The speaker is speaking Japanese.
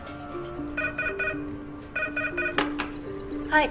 はい。